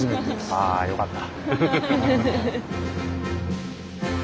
ああよかった。